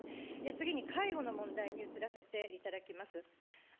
次に介護の問題に移らせていただきます。